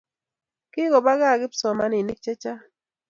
Kakopa kaa kipsomaninik chechang'